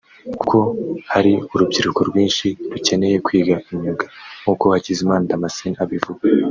kuko hari urubyiruko rwinshi rukeneye kwiga imyuga nk’uko Hakizimana Damascene abivuga